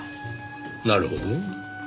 なるほど。